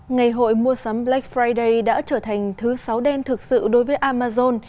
ngày hội mua sắm black friday đã trở thành thứ sáu đen thực sự đối với amazon